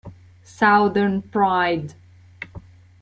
Southern Pride